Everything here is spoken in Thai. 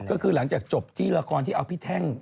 ก็คือหลังจากจบที่ละครที่เอาพี่แท่ง